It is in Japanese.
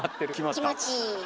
気持ちいい。